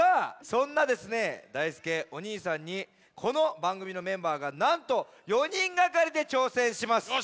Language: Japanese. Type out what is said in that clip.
そんなですねだいすけお兄さんにこのばんぐみのメンバーがなんと４にんがかりで挑戦します。